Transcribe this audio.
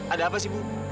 ada apa sih ibu